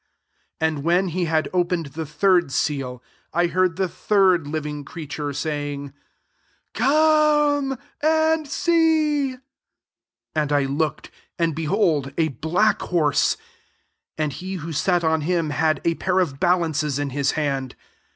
5 And when he had opened the third seal, I heard the third living creature saying, " Come [and see].'* \j4nd I looked^ and, behold, a black horse : and he who sat on him had a pair of balances ini his hand.